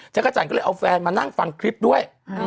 จักรจันทร์ก็เลยเอาแฟนมานั่งฟังคลิปด้วย